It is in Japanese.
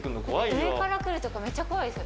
上から来るとかめっちゃ怖いです。